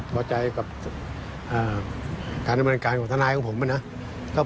พอใจกับการดำเนินการของทนายของผมนะครับ